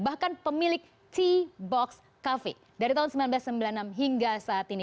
bahkan pemilik t box cafe dari tahun seribu sembilan ratus sembilan puluh enam hingga saat ini